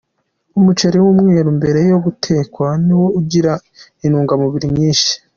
Umuceri w'umweru mbere yo gutekwa ni wo ugira intungamubiri nyinshi.